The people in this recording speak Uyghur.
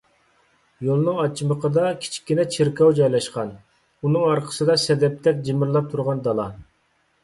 يولنىڭ ئاچىمىقىدا كىچىككىنە چېركاۋ جايلاشقان. ئۇنىڭ ئارقىسىدا سەدەپتەك جىمىرلاپ تۇرغان دالا.